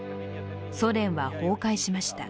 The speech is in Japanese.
ソ連は崩壊しました。